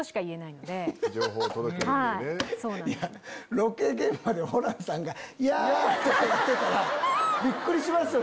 ロケ現場でホランさんがや！とか言ってたらびっくりしますよ